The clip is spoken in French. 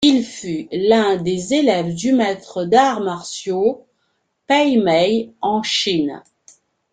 Il fut l'un des élèves du maître d'arts martiaux Pai Mei, en Chine.